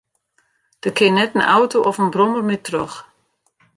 Der kin net in auto of in brommer mear troch.